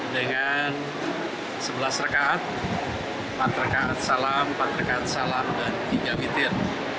dengan sebelas rekat empat rekat salam empat rekan salam dan tiga witir